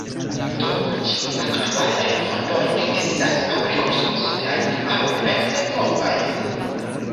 Do, ĉiuj aktualaj pontoj estas aŭ rekonstruitaj aŭ rekte novaj.